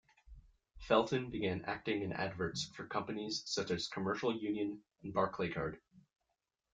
Felton began acting in adverts for companies such as Commercial Union and Barclaycard.